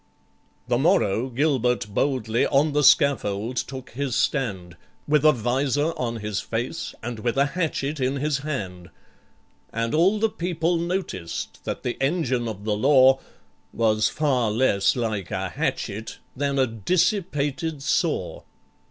The morrow GILBERT boldly on the scaffold took his stand, With a vizor on his face and with a hatchet in his hand, And all the people noticed that the Engine of the Law Was far less like a hatchet than a dissipated saw.